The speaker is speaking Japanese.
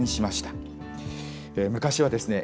昔はですね